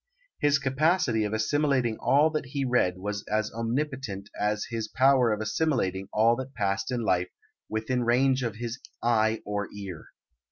His capacity of assimilating all that he read was as omnipotent as his power of assimilating all that passed in life within range of his eye or ear.